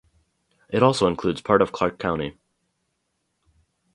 It also includes part of Clarke County.